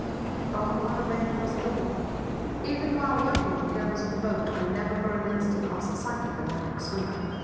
But of what avail was it all? Even while working with the others at the boat I never for an instant lost sight of the maniac swimmer.